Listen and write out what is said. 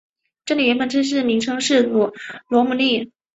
这里原本正式名称是布罗姆利。